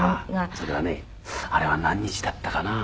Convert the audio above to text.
それはねあれは何日だったかな。